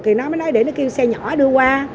thì nó mới nói để nó kêu xe nhỏ đưa qua